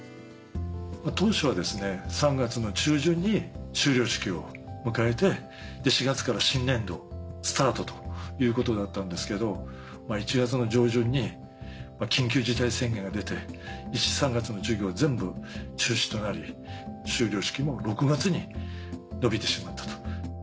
当初は３月の中旬に修了式を迎えて４月から新年度スタートということだったんですけど１月の上旬に緊急事態宣言が出て１３月の授業は全部中止となり修了式も６月に延びてしまったと。